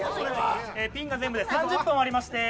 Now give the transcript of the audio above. ピンが全部で３０本あります。